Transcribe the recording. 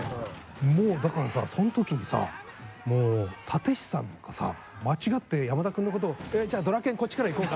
もうだからさその時にさもう殺陣師さんがさ間違って山田君のことを「じゃあドラケンこっちから行こうか」